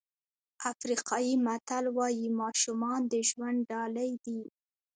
افریقایي متل وایي ماشومان د ژوند ډالۍ دي.